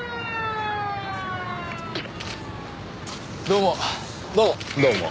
どうも。